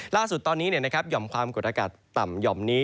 ล่าสุดตอนนี้หย่อมความกดอากาศต่ำหย่อมนี้